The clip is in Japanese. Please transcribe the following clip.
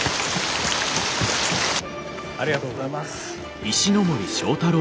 ありがとうございます。